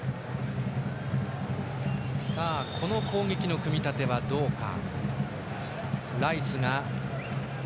この攻撃の組み立てはどうか。